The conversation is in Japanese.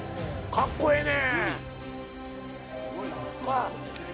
かっこええね。